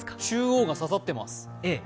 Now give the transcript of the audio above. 中央が刺さってます。